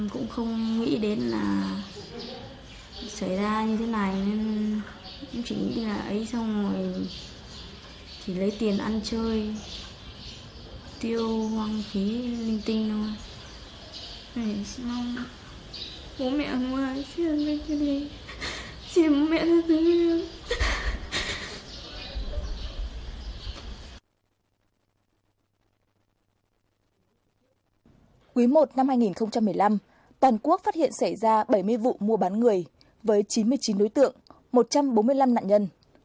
quý một năm hai nghìn một mươi năm toàn quốc phát hiện xảy ra bảy mươi vụ mua bán người với chín mươi chín đối tượng một trăm bốn mươi năm nạn nhân